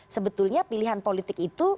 sebetulnya pilihan politik itu